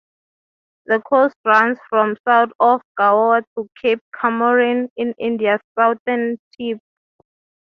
The coast runs from south of Goa to Cape Comorin on India's southern tip.